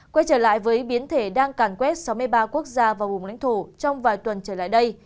quay trở lại với biến thể đang càn quét sáu mươi ba quốc gia và vùng lãnh thổ trong vài tuần trở lại đây